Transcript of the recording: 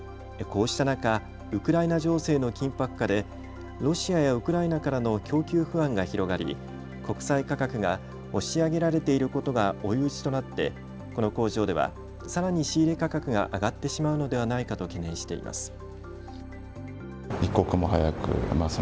こうした中、ウクライナ情勢の緊迫化でロシアやウクライナからの供給不安が広がり国際価格が押し上げられていることが追い打ちとなってこの工場ではさらに仕入れ価格が上がってしまうのではないかと懸念しています。